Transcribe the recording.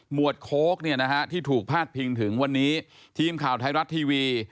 วดโค้กเนี่ยนะฮะที่ถูกพาดพิงถึงวันนี้ทีมข่าวไทยรัฐทีวี